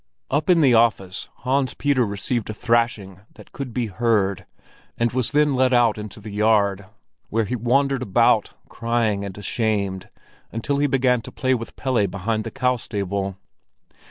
Up in the office Hans Peter received a thrashing that could be heard, and was then let out into the yard, where he wandered about crying and ashamed, until he began to play with Pelle behind the cow stable.